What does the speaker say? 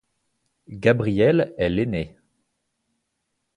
Gabriel est l'aîné.